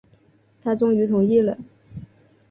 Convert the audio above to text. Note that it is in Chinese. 他终于同意了